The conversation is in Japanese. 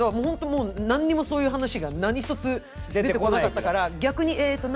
もう何にもそういう話が何一つ出てこなかったから逆にえっと